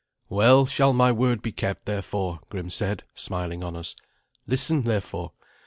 "Well shall my word be kept, therefore," Grim said, smiling on us. "Listen, therefore.